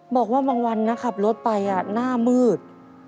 บอกว่าบางวันนะขับรถไปหน้ามืด